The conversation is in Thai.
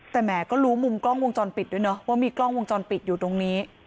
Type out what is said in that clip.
แต่แหมก็รู้มุมกล้องวงจรปิดด้วยเนอะว่ามีกล้องวงจรปิดอยู่ตรงนี้